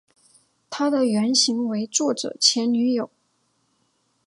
她的原型为作者前女友。